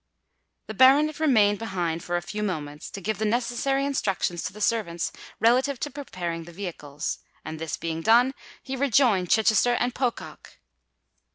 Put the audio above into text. The baronet remained behind for a few moments, to give the necessary instructions to the servants relative to preparing the vehicles; and, this being done, he rejoined Chichester and Pocock.